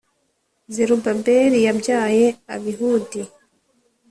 Zerubabeli yabyaye Abihudi,